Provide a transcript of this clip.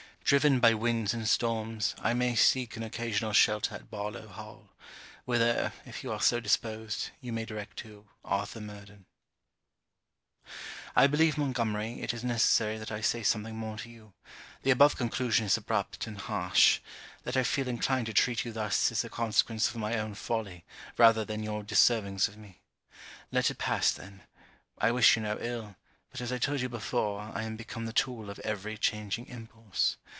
Driven by winds and storms, I may seek an occasional shelter at Barlowe Hall. Whither, if you are so disposed, you may direct to ARTHUR MURDEN I believe, Montgomery, it is necessary that I say something more to you. The above conclusion is abrupt and harsh. That I feel inclined to treat you thus is the consequence of my own folly, rather than your deservings of me. Let it pass then. I wish you no ill, but as I told you before, I am become the tool of every changing impulse.